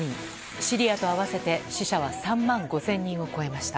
シリアと合わせて死者は３万５０００人を超えました。